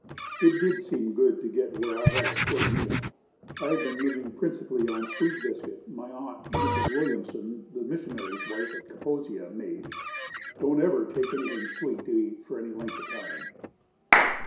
It did seem good to get where I had a square meal. I had been living principally on a sweet biscuit my Aunt, Mrs. Williamson, the missionary's wife at Kaposia made. Don't ever take anything sweet to eat for any length of time."